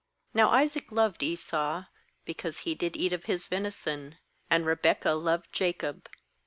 28Now Isaac loved Esau, be cause he did eat of his venison; and Rebekah loved Jacob.